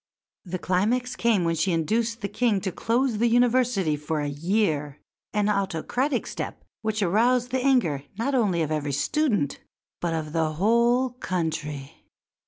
The climax came when she induced the King to close the University for a year an autocratic step which aroused the anger not only of every student but of the whole country.